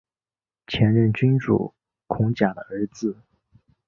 前任君主孔甲的儿子。